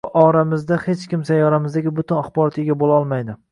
— Oramizda hech kim sayyoramizdagi butun axborotga ega boʻla olmaydi.